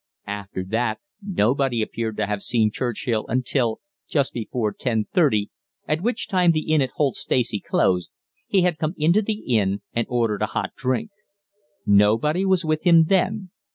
After that, nobody appeared to have seen Churchill until just before 10:30, at which time the inn at Holt Stacey closed he had come into the inn and ordered a hot drink. Nobody was with him then.